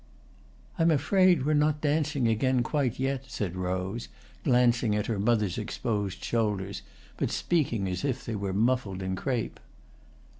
"I'm afraid we're not dancing again quite yet," said Rose, glancing at her mother's exposed shoulders, but speaking as if they were muffled in crape.